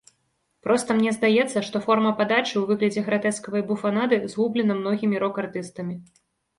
Проста мне здаецца, што форма падачы ў выглядзе гратэскавай буфанады згублена многімі рок-артыстамі.